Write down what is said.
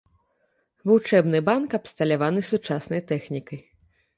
Вучэбны банк абсталяваны сучаснай тэхнікай.